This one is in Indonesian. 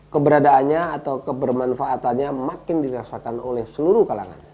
keberadaannya atau kebermanfaatannya makin dirasakan oleh seluruh kalangan